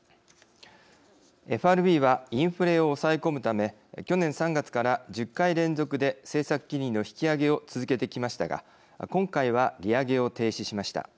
ＦＲＢはインフレを抑え込むため去年３月から１０回連続で政策金利の引き上げを続けてきましたが今回は利上げを停止しました。